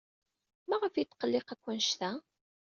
Maɣef ay yetqelliq akk anect-a?